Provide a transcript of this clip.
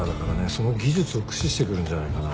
その技術を駆使してくるんじゃないかな？